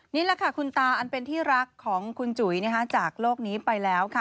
นี่แหละค่ะคุณตาอันเป็นที่รักของคุณจุ๋ยจากโลกนี้ไปแล้วค่ะ